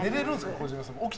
児嶋さん。